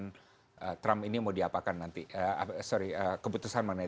keputusan trump ini mau diapakan nanti